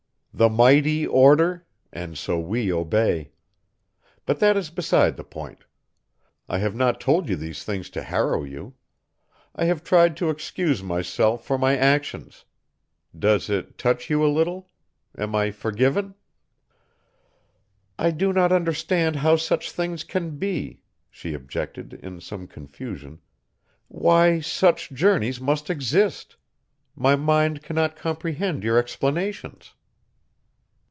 "The mighty order, and so we obey. But that is beside the point. I have not told you these things to harrow you; I have tried to excuse myself for my actions. Does it touch you a little? Am I forgiven?" "I do not understand how such things can be," she objected in some confusion, "why such journeys must exist. My mind cannot comprehend your explanations."